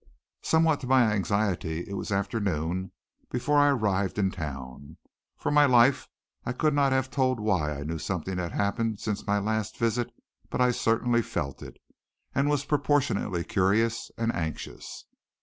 Somewhat to my anxiety it was afternoon before I arrived in town. For my life I could not have told why I knew something had happened since my last visit, but I certainly felt it; and was proportionately curious and anxious.